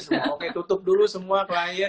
oke tutup dulu semua klien